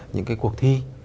những cái cuộc thi